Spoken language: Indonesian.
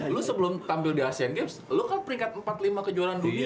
lo sebelum tampil di asian games lo kan peringkat empat lima kejuaraan dunia